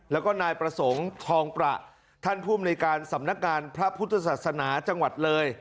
แล้วก็นายประสงค์ทองประท่านภูมิในการสำนักงานพระพุทธศาสนาจังหวัดเลย